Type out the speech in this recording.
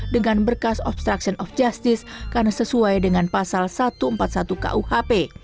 dengan berkas obstruction of justice karena sesuai dengan pasal satu ratus empat puluh satu kuhp